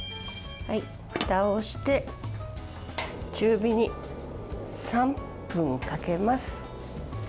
ふたをして、中火に３分かけます。